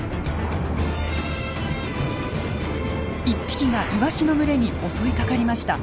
１匹がイワシの群れに襲いかかりました。